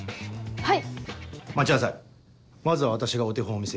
はい。